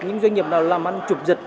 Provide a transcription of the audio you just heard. những doanh nghiệp nào làm ăn trụp giật